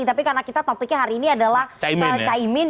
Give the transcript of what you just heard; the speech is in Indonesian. tapi karena kita topiknya hari ini adalah caimin